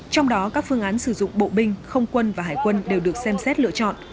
trong đó các phương án sử dụng bộ binh không quân và hải quân đều được xem xét lựa chọn